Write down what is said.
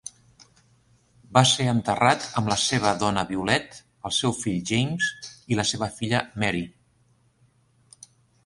Va ser enterrat amb la seva dona Violet, el seu fill James i la seva filla Mary.